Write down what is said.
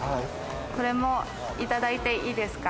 これもいただいていいですか。